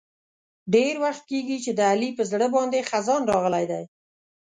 ډېر وخت کېږي چې د علي په زړه باندې خزان راغلی دی.